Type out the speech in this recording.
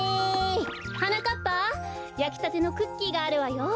はなかっぱやきたてのクッキーがあるわよ。